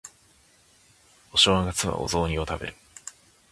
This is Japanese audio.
お正月はお雑煮を食べる